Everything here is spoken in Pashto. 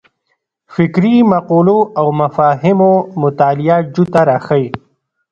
فکري مقولو او مفاهیمو مطالعه جوته راښيي.